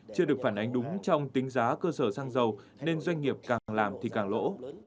chưa được phản ánh đúng trong tính giá cơ sở xăng dầu nên doanh nghiệp càng làm thì càng lỗ